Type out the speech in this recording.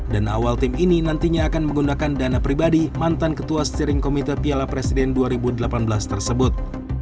dan awal tim ini nantinya akan menggunakan dana pribadi mantan ketua steering komite piala presiden dua ribu delapan belas tersebut